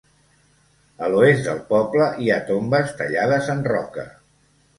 A l'oest del poble hi ha tombes tallades en roca.